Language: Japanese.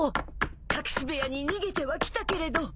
隠し部屋に逃げてはきたけれど。